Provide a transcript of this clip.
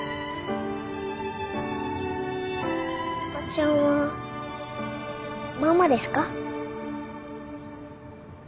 おばちゃんはママですか？